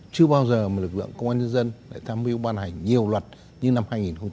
chưa bao giờ một lực lượng công an nhân dân đã tham mưu ban hành nhiều luật như năm hai nghìn hai mươi ba